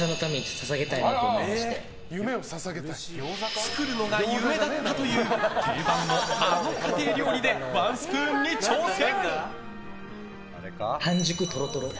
作るのが夢だったという定番のあの家庭料理でワンスプーンに挑戦！